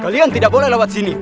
kalian tidak boleh lewat sini